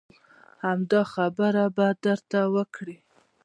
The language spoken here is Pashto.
همدا خبره به درته وکړي.